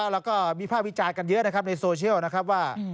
แล้วก็วิภาควิจารณ์กันเยอะนะครับในโซเชียลนะครับว่า